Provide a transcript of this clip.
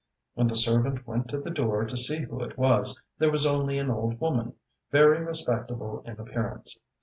When the servant went to the door to see who it was, there was only an old woman, very respectable in appearance.